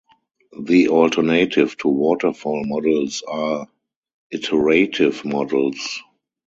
The alternative to waterfall models are iterative models.